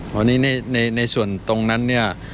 คราวนี้ในส่วนตรงนั้นเนี่ย